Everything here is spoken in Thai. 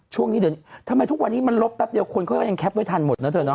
ช่วงนี้เดี๋ยวทำไมทุกวันนี้มันลบแป๊บเดียวคนเขาก็ยังแคปไว้ทันหมดนะเธอเนา